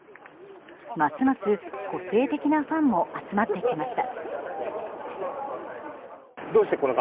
ますます個性的なファンも集まってきました。